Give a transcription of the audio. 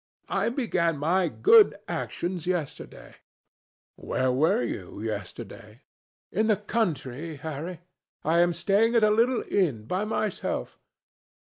I began my good actions yesterday." "Where were you yesterday?" "In the country, Harry. I was staying at a little inn by myself."